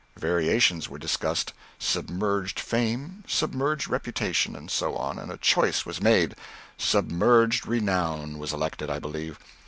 Variations were discussed: "submerged fame," "submerged reputation," and so on, and a choice was made; "submerged renown" was elected, I believe.